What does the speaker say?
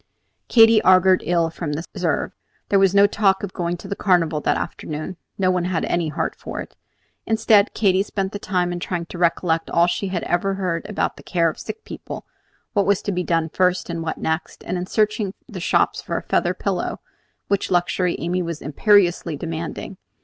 Katy augured ill from this reserve. There was no talk of going to the Carnival that afternoon; no one had any heart for it. Instead, Katy spent the time in trying to recollect all she had ever heard about the care of sick people, what was to be done first and what next, and in searching the shops for a feather pillow, which luxury Amy was imperiously demanding.